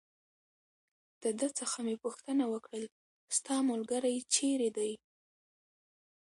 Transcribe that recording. د ده څخه مې پوښتنه وکړل: ستا ملګری چېرې دی؟